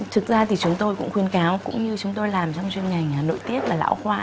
thực ra thì chúng tôi cũng khuyên cáo cũng như chúng tôi làm trong chuyên ngành nội tiết và lão khoa